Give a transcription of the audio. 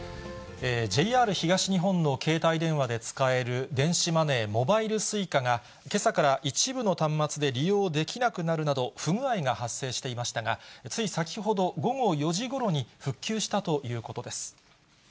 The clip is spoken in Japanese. ＪＲ東日本の携帯電話で使える電子マネー、モバイルＳｕｉｃａが、けさから一部の端末で利用できなくなるなど、不具合が発生していましたが、つい先ほど、午後４時ごろに復旧したということです。